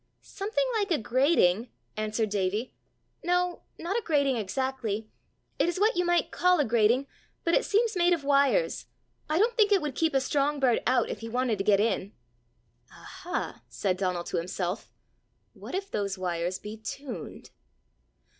"Something like a grating," answered Davie; " no, not a grating exactly; it is what you might call a grating, but it seems made of wires. I don't think it would keep a strong bird out if he wanted to get in." "Aha!" said Donal to himself; "what if those wires be tuned!